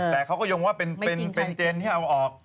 แต่เขาก็ยงว่าเป็นเจนที่เอาออก